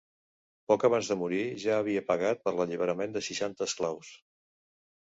Poc abans de morir ja havia pagat per l'alliberament de seixanta esclaus.